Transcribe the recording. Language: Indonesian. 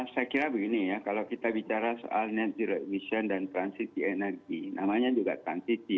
saya kira begini ya kalau kita bicara soal net zero emission dan transisi energi namanya juga transisi